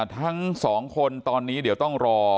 ทั้งสองคนตอนนี้เดี๋ยวต้องรอ